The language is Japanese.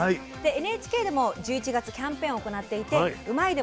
ＮＨＫでも１１月キャンペーンを行っていて「うまいッ！」